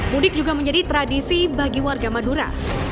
mudik juga menjadi tradisi bagi warga madura